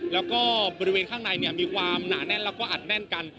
แล้วก็บริเวณข้างในมีความหนาแน่นแล้วก็อัดแน่นกัน